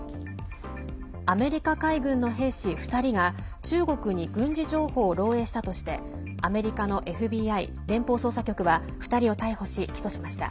アメリカ海軍の兵士２人が中国に軍事情報を漏えいしたとしてアメリカのＦＢＩ＝連邦捜査局は２人を逮捕し、起訴しました。